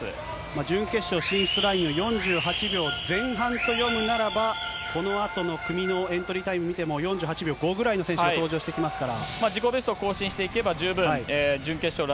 準決勝進出ラインを４８秒前半と読むならば、このあとの組のエントリータイム見ても、４８秒５ぐらいの選手が登場してきますから。